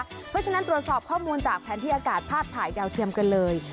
เพราะฉะนั้นตรวจสอบข้อมูลจากแผนที่อากาศภาพถ่ายดาวเทียมกันเลย